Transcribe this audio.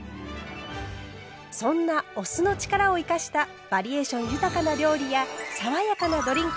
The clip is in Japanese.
そんなお酢の力を生かしたバリエーション豊かな料理や爽やかなドリンク